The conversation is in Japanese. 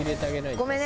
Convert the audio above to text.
ごめんね。